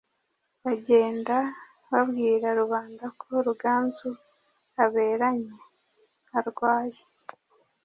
bagenda babwira rubanda ko Ruganzu aberanye (arwaye),